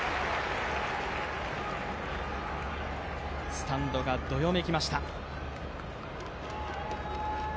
スタンドがどよめきました。